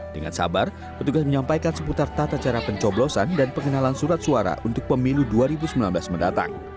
dengan sabar petugas menyampaikan seputar tata cara pencoblosan dan pengenalan surat suara untuk pemilu dua ribu sembilan belas mendatang